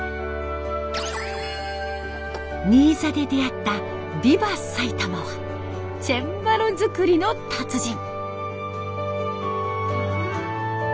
新座で出会った「ビバ！埼玉」はチェンバロ作りの達人。